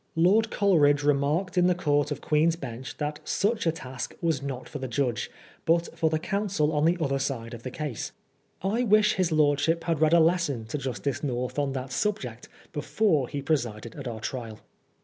Lord Coleridge remarked in the Court of Queen's Bench that such a task was not for the judge, but for the counsel on the other side of the case. I wish his lordship had read a lesson to Justice North on that subject before he presided at our trial.